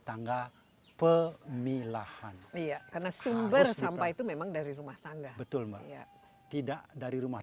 tangga pemilahan iya karena sumber sampah itu memang dari rumah tangga betul mbak tidak dari rumah